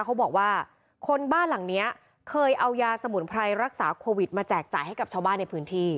เขาบอกว่าคนบ้านหลังเนี้ยเคยเอายาสมุนไพรรักษาโควิดมาแจกจ่ายให้กับชาวบ้านในพื้นที่